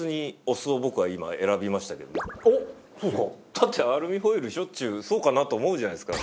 だってアルミホイルしょっちゅうそうかなと思うじゃないですか。